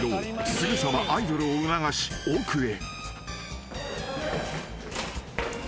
すぐさまアイドルを促し奥へ］